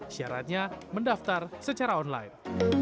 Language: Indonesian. syaratnya mendaftar secara online